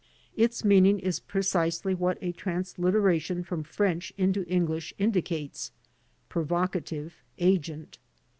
Its meaning is precisely what a transliteration from French into English indicates: "provocative agent."